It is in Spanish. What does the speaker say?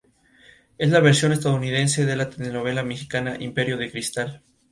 La cooperativa de trabajo es propiedad de sus trabajadores.